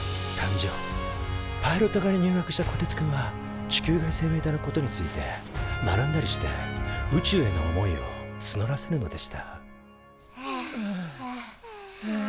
パイロット科に入学したこてつくんは地球外生命体のことについて学んだりして宇宙への思いをつのらせるのでしたはあはあはあ。